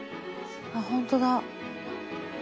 あっほんとだ。